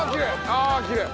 あっきれい。